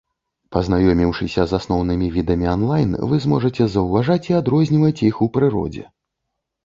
Пазнаёміўшыся з асноўнымі відамі анлайн, вы зможаце заўважаць і адрозніваць іх у прыродзе.